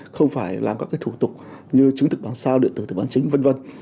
không phải làm các thủ tục như chứng thực bằng sao điện tử thủ tục bản chính v v